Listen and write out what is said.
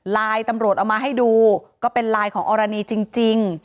ตำรวจเอามาให้ดูก็เป็นไลน์ของอรณีจริง